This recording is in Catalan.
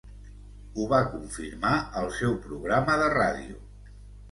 Ho va confirmar al seu programa de ràdio.